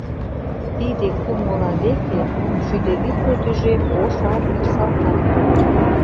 Тиде кум ола веке шӱдӧ витле тӱжем ош армий салтак толын.